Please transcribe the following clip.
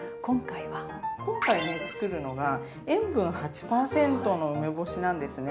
今回ね作るのが塩分８％の梅干しなんですね。